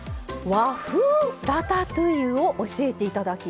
和風ラタトゥイユを教えていただきます。